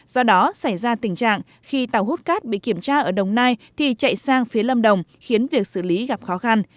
do đó xảy ra tình trạng khi tàu hút cát bị kiểm tra ở đồng nai thì chạy sang phía lâm đồng khiến việc xử lý gặp khó khăn